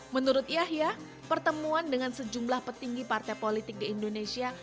menurut yahya pertemuan dengan sejumlah petinggi partai politik di indonesia